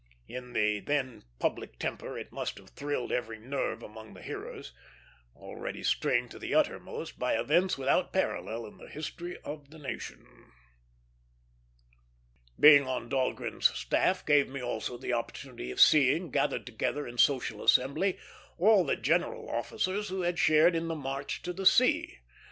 In the then public temper it must have thrilled every nerve among the hearers, already strained to the uttermost by events without parallel in the history of the nation. Being on Dahlgren's staff gave me also the opportunity of seeing, gathered together in social assembly, all the general officers who had shared in the March to the Sea.